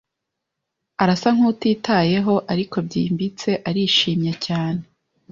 Arasa nkutitayeho ariko byimbitse arishimye cyane.